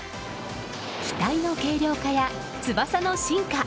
機体の軽量化や翼の進化。